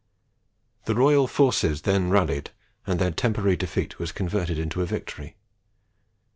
The royal forces then rallied, and their temporary defeat was converted into a victory.